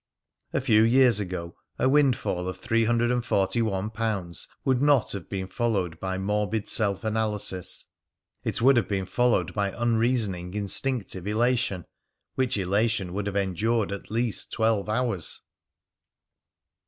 A few years ago a windfall of Three hundred and forty one pounds would not have been followed by morbid self analysis; it would have been followed by unreasoning instinctive elation, which elation would have endured at least twelve hours.